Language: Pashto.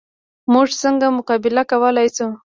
موږ څنګه مقابله کولی شو؟